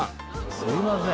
すみません。